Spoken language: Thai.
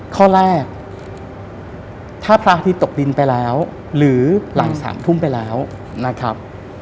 ข้อแรกถ้าพระอาทิตย์ตกดินไปแล้วหรือหลัง๓ทุ่มไปแล้วนะครับ